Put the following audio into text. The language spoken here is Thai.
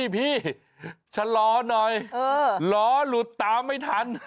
พี่ฉันรอหน่อยรอหลุดตามไม่ทัน